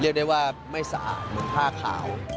เรียกได้ว่าไม่สะอาดเหมือนผ้าขาว